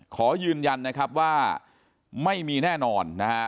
ขอยืนยันนะครับว่าไม่มีแน่นอนนะฮะ